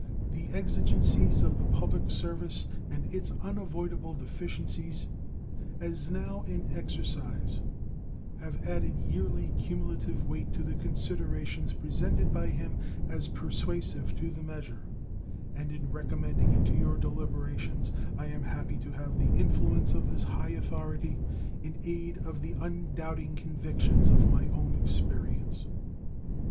The exigencies of the public service and its unavoidable deficiencies, as now in exercise, have added yearly cumulative weight to the considerations presented by him as persuasive to the measure, and in recommending it to your deliberations I am happy to have the influence of this high authority in aid of the undoubting convictions of my own experience.